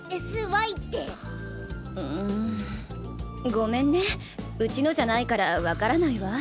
ゴメンねうちのじゃないからわからないわ。